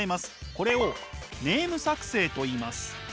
これをネーム作成といいます。